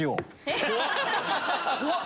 怖っ！